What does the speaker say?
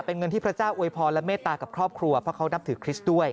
เป็นเงินที่พระเจ้าอวยพรและเมตตากับครอบครัวเพราะเขานับถือคริสต์ด้วย